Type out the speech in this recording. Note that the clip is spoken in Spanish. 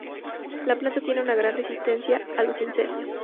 La planta tiene una gran resistencia a los incendios.